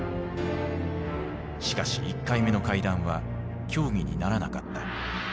しかし１回目の会談は協議にならなかった。